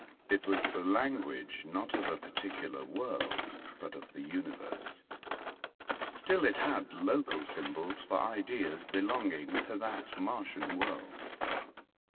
It was the language, not of aparticular world, but of the universe ; still it had local symbols for ideas belonging to that Martian world.